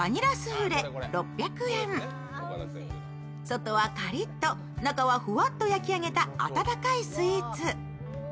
外はカリッと中はふわっと焼き上げた温かいスイーツ。